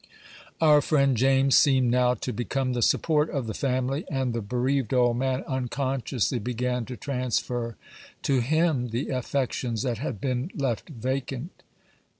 Our friend James seemed now to become the support of the family; and the bereaved old man unconsciously began to transfer to him the affections that had been left vacant.